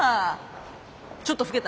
ちょっと老けた？